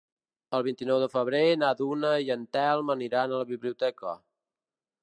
El vint-i-nou de febrer na Duna i en Telm aniran a la biblioteca.